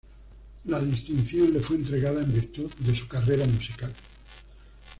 La distinción le fue entregada en virtud de su carrera musical.